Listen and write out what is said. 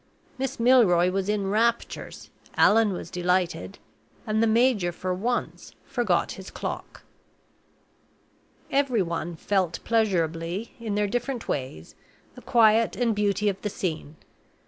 Miss Milroy was in raptures; Allan was delighted; and the major for once forgot his clock. Every one felt pleasurably, in their different ways, the quiet and beauty of the scene. Mrs.